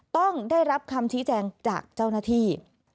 ต้องได้รับคำชี้แจงจากเจ้าหน้าที่